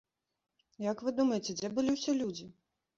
Як вы думаеце, дзе былі ўсе людзі?